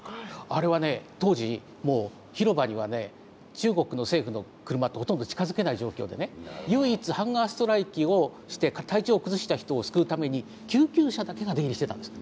あれはね当時もう広場にはね中国の政府の車ってほとんど近づけない状況でね唯一ハンガーストライキをして体調崩した人を救うために救急車だけが出入りしてたんです。